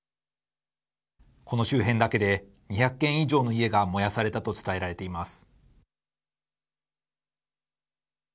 この周辺だけで２００軒以上の家が燃やされたと伝えられています。